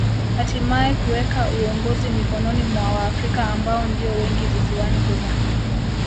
Hatimae kuweka uongozi mikononi mwa Waafrika ambao ndio wengi visiwani humo